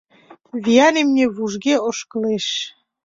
Виян имне вужге ошкылеш...